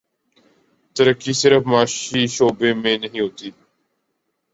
ترقی صرف معاشی شعبے میں نہیں ہوتی۔